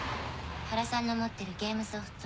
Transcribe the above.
原さんの持ってるゲームソフト。